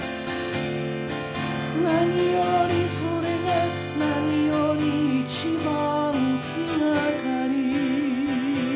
「何よりそれが何より一番気がかり」